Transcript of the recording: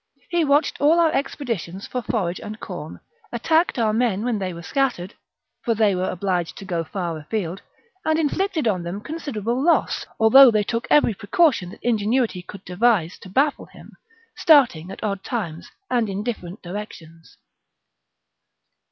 He watched all our expeditions for forage and corn, attacked our men when they were scattered — for they were obliged to go far afield — and inflicted on them considerable loss, although they took every pre caution that ingenuity could devise to baffle him, starting at odd times and in different directions.